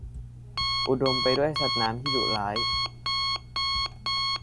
อุดมไปด้วยสัตว์น้ำที่ดุร้าย